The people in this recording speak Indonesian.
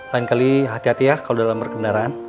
lain kali hati hati ya kalo dalam perkenaraan